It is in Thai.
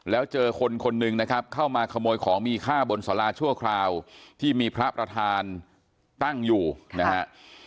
แล้วเจอคนคนหนึ่งนะครับเข้ามาขโมยของมีค่าบนสาราชั่วคราวที่มีพระประธานตั้งอยู่นะฮะ